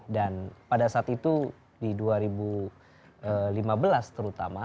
dan pada saat itu di dua ribu lima belas terutama